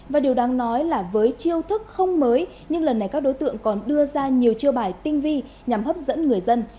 và điều đáng nói là với chiêu thức không mới nhưng lần này các đối tượng còn đưa ra nhiều chiêu bài tinh vi nhằm hấp dẫn người dân